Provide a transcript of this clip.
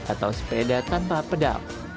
atau sepeda tanpa pedal